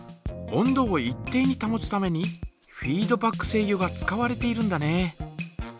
温度を一定にたもつためにフィードバック制御が使われているんだね。